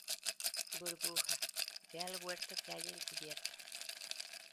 burbuja, ve al huerto que hay en cubierta